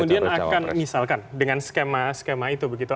kemudian akan misalkan dengan skema skema itu begitu